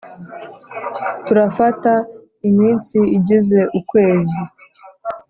turafata iminsi igize ukwezi